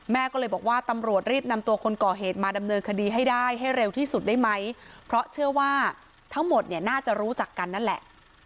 แม่ก็เลยบอกว่าตำรวจรีบนำตัวคนก่อเหตุมาดำเนินคดีให้ได้ให้เร็วที่สุดได้ไหมเพราะเชื่อว่าทั้งหมดเนี่ยน่าจะรู้จักกันนั่นแหละ